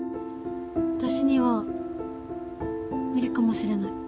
私には無理かもしれない。